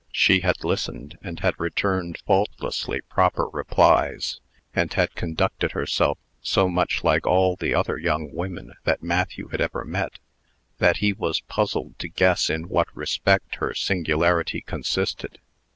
She had listened, and had returned faultlessly proper replies, and had conducted herself so much like all the other young women that Matthew had ever met, that he was puzzled to guess in what respect her singularity consisted.